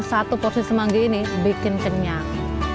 satu porsi semanggi ini bikin kenyang